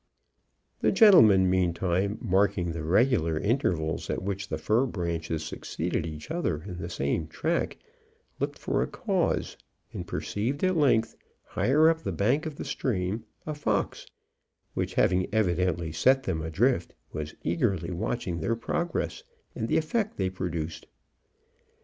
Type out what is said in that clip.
The gentleman, meantime, marking the regular intervals at which the fir branches succeeded each other in the same track, looked for a cause, and perceived, at length, higher up the bank of the stream, a fox, which, having evidently sent them adrift, was eagerly watching their progress and the effect they produced.